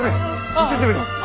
見せてみろ！